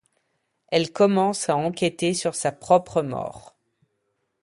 Elle commence à enquêter sur sa propre mort.